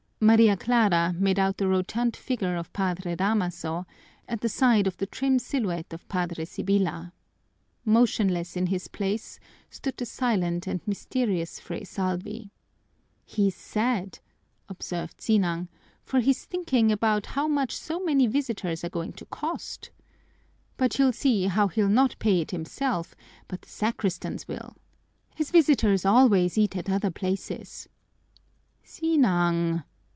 Maria Clara made out the rotund figure of Padre Damaso at the side of the trim silhouette of Padre Sibyla. Motionless in his place stood the silent and mysterious Fray Salvi. "He's sad," observed Sinang, "for he's thinking about how much so many visitors are going to cost. But you'll see how he'll not pay it himself, but the sacristans will. His visitors always eat at other places." "Sinang!"